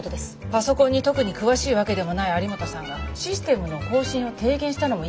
パソコンに特に詳しいわけでもない有本さんがシステムの更新を提言したのも違和感があります。